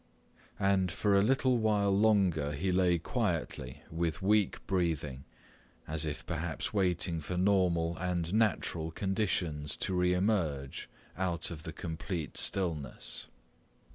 And for a little while longer he lay quietly with weak breathing, as if perhaps waiting for normal and natural conditions to re emerge out of the complete stillness.